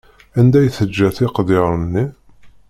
Anda i teǧǧa tiqnedyaṛ-nni?